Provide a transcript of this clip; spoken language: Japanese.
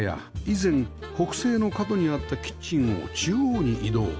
以前北西の角にあったキッチンを中央に移動